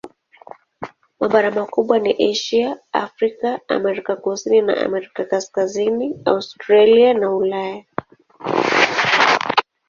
Mabara makubwa ni Asia, Afrika, Amerika Kusini na Amerika Kaskazini, Australia na Ulaya.